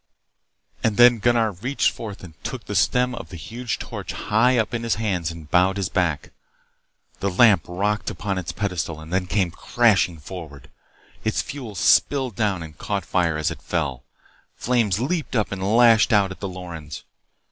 And then Gunnar reached forth and took the stem of the huge torch high up in his hands and bowed his back. The lamp rocked upon its pedestal and then came crashing forward. Its fuel spilled down and caught fire as it fell. Flames leaped up and lashed out at the Lorens.